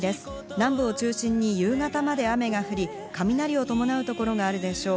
南部を中心に夕方まで雨が降り、雷を伴う所があるでしょう。